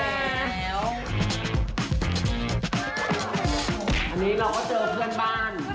อันนี้เราก็เจอเพื่อนบ้าน